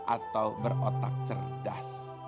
atau berotak cerdas